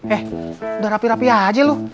eh udah rapi rapi aja loh